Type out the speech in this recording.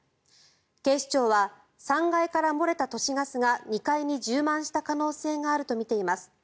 警視庁は３階から漏れた都市ガスが２階に充満した可能性があるとみています。